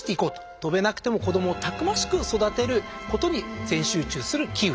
飛べなくても子どもをたくましく育てることに全集中するキーウィ。